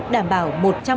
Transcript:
đảm bảo một trăm linh